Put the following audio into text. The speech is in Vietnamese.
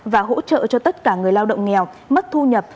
và hỗ trợ cho tất cả người lao động nghèo mắc thu nhập